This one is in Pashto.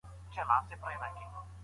د خاوند لپاره کوم ډول طلاق مندوب دی؟